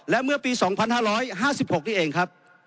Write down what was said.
และเมื่อปี๒๕๕๖นี่เองครับ